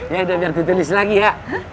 ya udah biar ditulis lagi ya